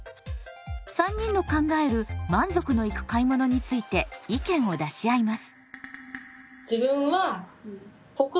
３人の考える「満足のいく買い物」について意見を出し合います。